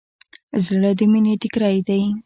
زړه د مینې ټیکری دی.